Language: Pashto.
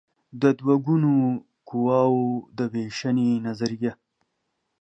د دوه ګونو قواوو د وېشنې نظریه